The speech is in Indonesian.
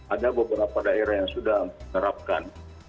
ada beberapa daerah yang sudah menerapkan